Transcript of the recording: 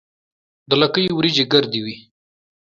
د لکۍ وریجې ګردې وي.